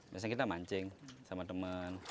biasanya kita mancing sama teman